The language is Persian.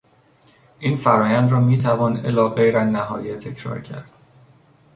این فرآیند را میتوان الی غیر النهایه تکرار کرد.